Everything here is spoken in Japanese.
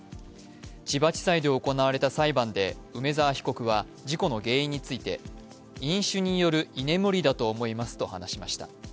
千葉地裁で行われた裁判で梅沢洋被告は事故の原因について飲酒による居眠りだと思いますと話しました。